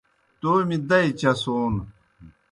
تومیْ دئی چسون